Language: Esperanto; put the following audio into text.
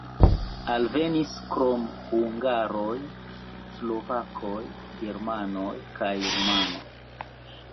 Alvenis krom hungaroj slovakoj, germanoj kaj rumanoj.